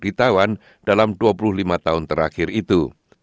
di taiwan dalam dua puluh lima tahun terakhir itu